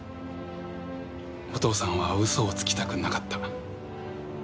お父さんは嘘をつきたくなかった。